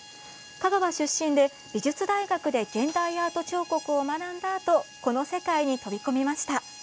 香川出身で美術大学で現代アート彫刻を学んだあとこの世界に飛び込みました。